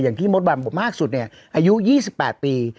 อย่างที่มดบันบบมากสุดอายุ๒๘ปี